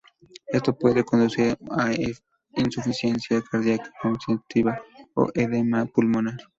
Esto puede conducir a insuficiencia cardiaca congestiva o edema pulmonar.